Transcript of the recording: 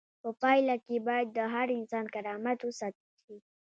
په پایله کې باید د هر انسان کرامت وساتل شي.